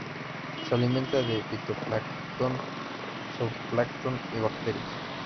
Se alimenta de fitoplancton, zooplancton y bacterias.